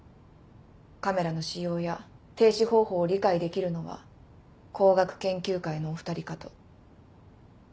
カメラの仕様や停止方法を理解できるのは工学研究会のお２人かと。